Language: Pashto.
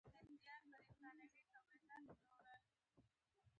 موږ همداسې ژوند کوو او ورسره عادت شوي یوو.